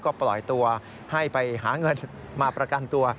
ก็ปล่อยตัวให้ไปหาเงินมาประกันตัว